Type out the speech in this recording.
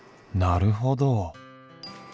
なるほど。